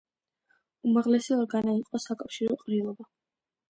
უმაღლესი ორგანო იყო საკავშირო ყრილობა.